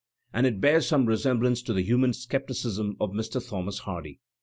And it bears some resemblance to the humane scepticism of Mr. Thomas Hardy.